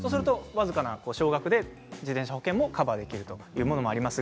僅かな補償額で自転車保険もカバーできるというものもあります。